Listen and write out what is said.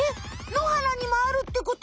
のはらにもあるってこと？